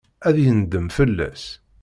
Ad yendem fell-as.